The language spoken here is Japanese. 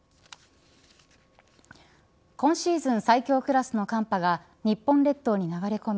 今シーズン最強クラスの寒波が日本列島に流れ込み